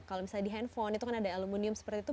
kalau misalnya di handphone itu kan ada aluminium seperti itu